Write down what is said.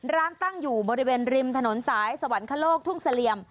ตั้งอยู่บริเวณริมถนนสายสวรรคโลกทุ่งเสลี่ยม